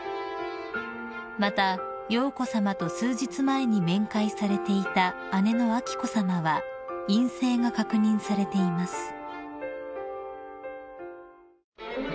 ［また瑶子さまと数日前に面会されていた姉の彬子さまは陰性が確認されています］